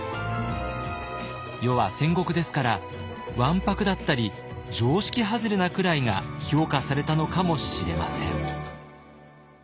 世は戦国ですからわんぱくだったり常識外れなくらいが評価されたのかもしれません。